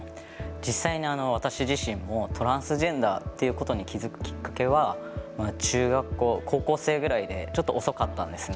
実際に私、自身自身もトランスジェンダーということに気付くきっかけは高校生ぐらいでちょっと遅かったんです。